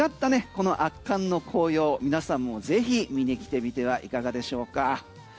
この圧巻の紅葉皆さんもぜひ見に来てみてはいかがでしょうか？